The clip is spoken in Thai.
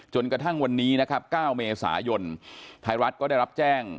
จนกระทั่งวันนี้นะครับ๙เมษายนไทยรัฐก็ได้รับแจ้ง